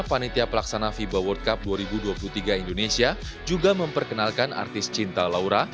panitia pelaksana fiba world cup dua ribu dua puluh tiga indonesia juga memperkenalkan artis cinta laura